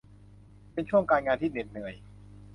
เป็นช่วงการงานที่เหน็ดเหนื่อย